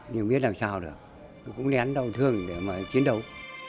nhiều biết làm sao được cũng nén đau thương để mà chiến đấu